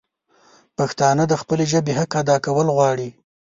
پښتانه د خپلي ژبي حق ادا کول غواړي